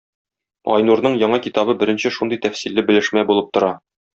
Айнурның яңа китабы беренче шундый тәфсилле белешмә булып тора.